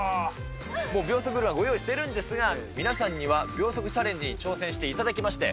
もう秒速グルメはご用意してるんですが、皆さんには、秒速チャレンジに挑戦していただきます